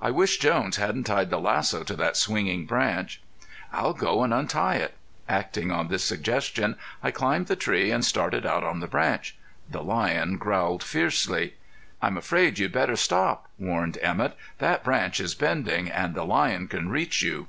I wish Jones hadn't tied the lasso to that swinging branch." "I'll go and untie it." Acting on this suggestion I climbed the tree and started out on the branch. The lion growled fiercely. "I'm afraid you'd better stop," warned Emett. "That branch is bending, and the lion can reach you."